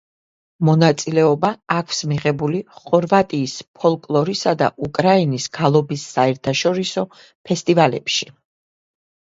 მონაწილეობა აქვს მიღებული ხორვატიის ფოლკლორის და უკრაინის გალობის საერთაშორისო ფესტივალებში.